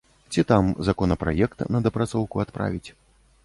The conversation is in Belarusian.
Ці там, законапраект на дапрацоўку адправіць.